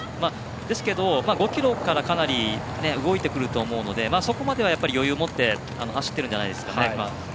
ですけど、５ｋｍからかなり動いてくると思うのでそこまでは余裕を持って走っているんじゃないですかね。